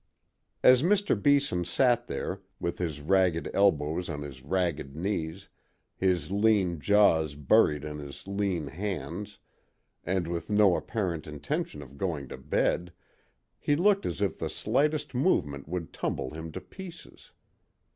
As Mr. Beeson sat there, with his ragged elbows on his ragged knees, his lean jaws buried in his lean hands, and with no apparent intention of going to bed, he looked as if the slightest movement would tumble him to pieces.